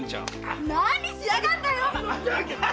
何しやがんだよっ！